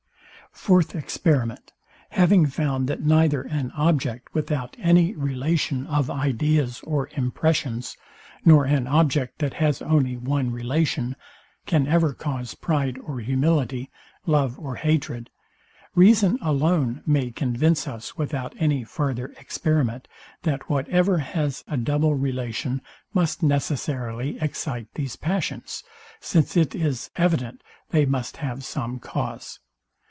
Fourth Experiment. Having found, that neither an object without any relation of ideas or impressions, nor an object, that has only one relation, can ever cause pride or humility, love or hatred; reason alone may convince us, without any farther experiment, that whatever has a double relation must necessarily excite these passions; since it is evident they must have some cause.